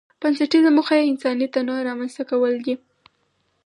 بنسټيزه موخه یې انساني تنوع رامنځته کول دي.